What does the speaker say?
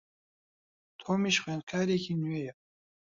تۆمیش خوێندکارێکی نوێیە.